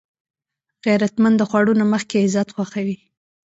غیرتمند د خوړو نه مخکې عزت خوښوي